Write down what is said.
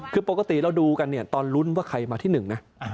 คือปกติเราดูกันเนี่ยตอนลุ้นว่าใครมาที่๑นะ